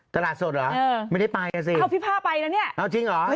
ตลาดสดเหรอไม่ได้ไปอ่ะสิเอาพี่ผ้าไปแล้วเนี่ยเอาจริงเหรอ